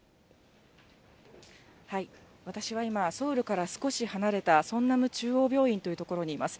私は今、ソウルから少し離れたソンナム中央病院というところにいます。